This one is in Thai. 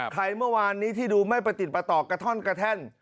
เมื่อวานนี้ที่ดูไม่ประติดประต่อกระท่อนกระแท่น